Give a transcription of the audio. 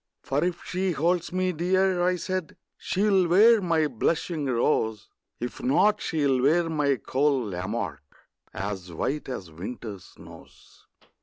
For if she holds me dear, I said, She'll wear my blushing rose; If not, she'll wear my cold Lamarque, As white as winter's snows.